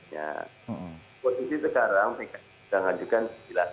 nah posisi sekarang mereka sudah ngajukan sembilan